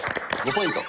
５ポイント。